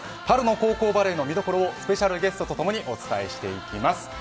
春の高校バレーの見どころをスペシャルゲストとともにお伝えしていきます。